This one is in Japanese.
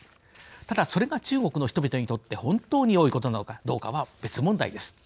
ただ、それが中国の人々にとって本当によいことなのかどうかは別問題です。